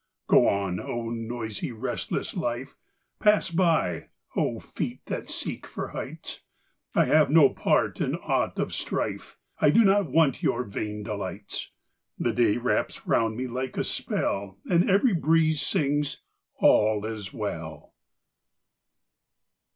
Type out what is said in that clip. Go on, oh, noisy, restless life! Pass by, oh, feet that seek for heights! I have no part in aught of strife; I do not want your vain delights. The day wraps round me like a spell, And every breeze sings, "All is well."